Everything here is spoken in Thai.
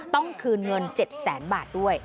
ต้องคืนเงิน๗แสนบาทด้วย